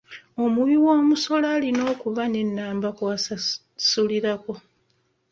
Omuwiwoomusolo alina okuba n'ennamba gy'asasulirako.